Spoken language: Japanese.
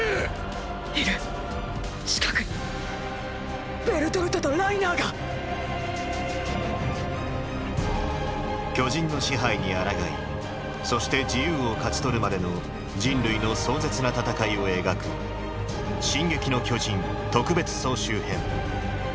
いる近くにベルトルトとライナーが巨人の支配に抗いそして自由を勝ち取るまでの人類の壮絶な戦いを描く「進撃の巨人特別総集編」。